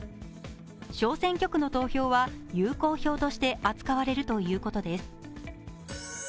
小選挙区の投票は有効票として扱われるということです。